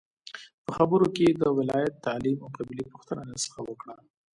په خبرو کې یې د ولایت، تعلیم او قبیلې پوښتنه راڅخه وکړه.